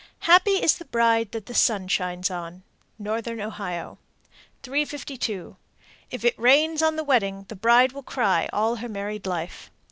Happy is the bride that the sun shines on. Northern Ohio. 352. If it rains on the wedding, the bride will cry all her married life.